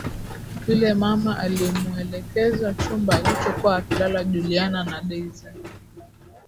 Yule mama alimuelekeza chumba alichokuwa akilala Juliana na Daisy